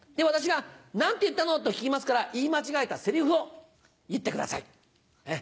私が「何て言ったの？」と聞きますから言い間違えたセリフを言ってください。